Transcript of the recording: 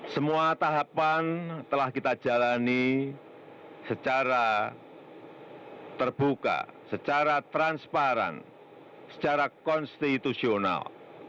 semua tahapan telah kita jalani secara terbuka secara transparan secara konstitusional